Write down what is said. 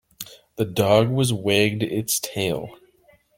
The dog was wagged its tail.